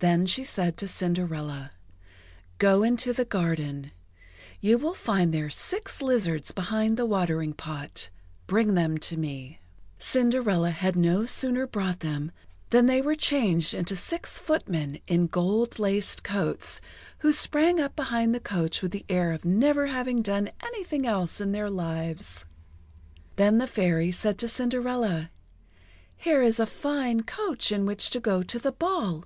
Then she said to Cinderella: "Go into the garden. You will find there six lizards behind the watering pot. Bring them to me." Cinderella had no sooner brought them than they were changed into six footmen in gold laced coats, who sprang up behind the coach with the air of never having done anything else in their lives. Then the Fairy said to Cinderella: "Here is a fine coach in which to go to the ball!